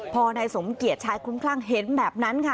พอนายสมเกียจชายคุ้มคลั่งเห็นแบบนั้นค่ะ